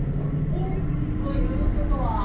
おっということは。